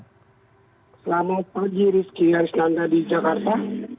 selamat pagi rizky aris nanda di jakarta